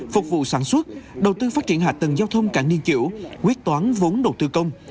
phục vụ sản xuất đầu tư phát triển hạ tầng giao thông cảng niên kiểu quyết toán vốn đầu tư công